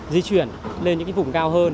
di chuyển lên những cái vùng cao hơn